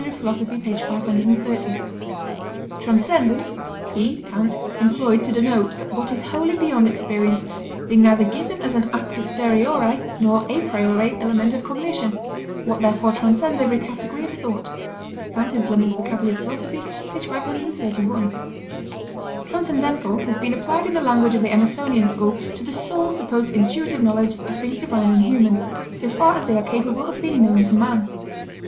Philos._ p. 530. "Transcendent he [Kant] employed to denote what is wholly beyond experience, being neither given as an a posteriori nor a priori element of cognition what therefore transcends every category of thought." K. F. Vocab. Philos. p. 531. Transcendental has been applied in the language of the Emersonian school to the soul's supposed intuitive knowledge of things divine and human, so far as they are capable of being known to man.